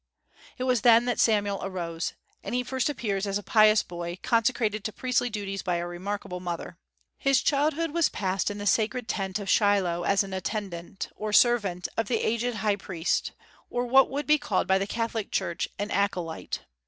It was then that Samuel arose, and he first appears as a pious boy, consecrated to priestly duties by a remarkable mother. His childhood was passed in the sacred tent of Shiloh, as an attendant, or servant, of the aged high priest, or what would be called by the Catholic Church an acolyte.